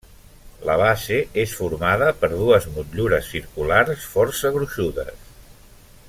La base és formada per dues motllures circulars força gruixudes.